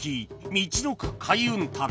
みちのく開運旅』